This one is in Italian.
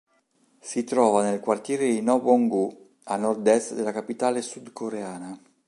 Si trova nel quartiere di Nowon-gu, a nord-est della capitale sudcoreana.